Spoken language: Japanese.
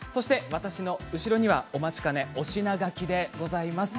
私の後ろにはお待ちかね推し名書きでございます。